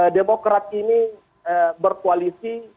demokrat ini berkoalisi